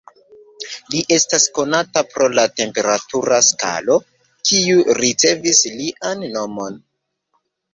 Li estas konata pro la temperatura skalo, kiu ricevis lian nomon.